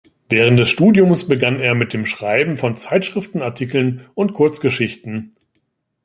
Während des Studiums begann er mit dem Schreiben von Zeitschriftenartikeln und Kurzgeschichten.